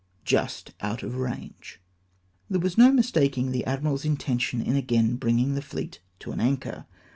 e. just out of range. There was no mistaking the admiral's intention in again bringing the fleet to an anchor.